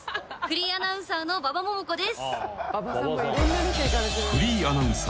フリーアナウンサーの馬場ももこです。